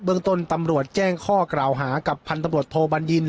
เรื่องต้นตำรวจแจ้งข้อกล่าวหากับพันธบรวจโทบัญญิน